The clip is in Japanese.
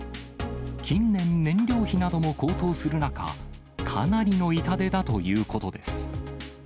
近年、燃料費なども高騰する中、かなりの痛手だということです。